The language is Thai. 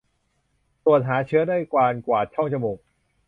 ตรวจหาเชื้อด้วยการกวาดช่องจมูก